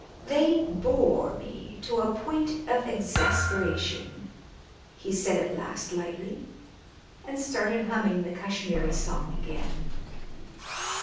They bore me to a point of exasperation," he said at last lightly, and started humming the Kashmiri song again.